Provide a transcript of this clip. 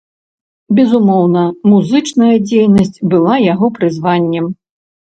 Безумоўна, музычная дзейнасць была яго прызваннем.